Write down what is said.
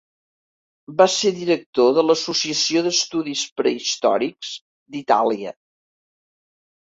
Va ser director de l'Associació d'Estudis Prehistòrics d'Itàlia.